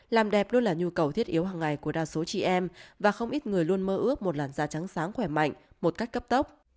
làm đẹp luôn là nhu cầu thiết yếu hằng ngày của đa số chị em và không ít người luôn mơ ước một làn da trắng sáng khỏe mạnh một cách cấp tốc